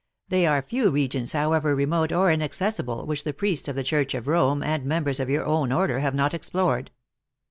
They are few regions, however remote or inaccessible, which the priests of the Church of Home, and mem bers of your own order, have not explored."